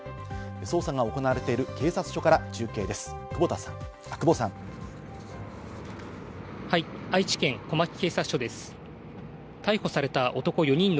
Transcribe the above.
捜査が行われている警察署から中継です、久保さん。